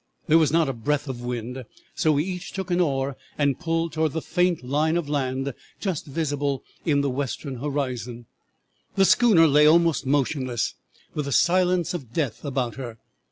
There was not a breath of wind, so we each took an oar and pulled towards the faint line of land just visible in the western horizon. "'The schooner lay almost motionless, with the silence of death about her.